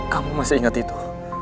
kamu masih ingat itu